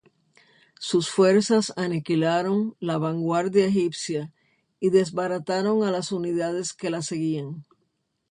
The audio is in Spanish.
Sus fuerzas aniquilaron la vanguardia egipcia y desbarataron a las unidades que la seguían.